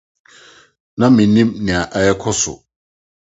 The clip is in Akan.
Ná minnim nea ɛrekɔ so.